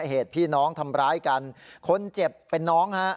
เหตุพี่น้องทำร้ายกันคนเจ็บเป็นน้องฮะ